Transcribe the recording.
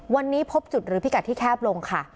วันนี้พบจุดหรือพิกัดที่แคบลงค่ะ